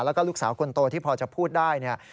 แล้วก็ลูกสาวคนโตที่พอจะพูดได้เนี่ย